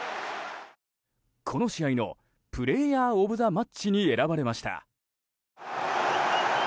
この試合のプレーヤー・オブ・ザ・マッチに選ばれました。